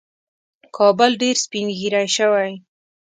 کابل ډېر سپین ږیری شوی